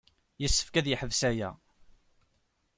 Yessefk ad yeḥbes aya.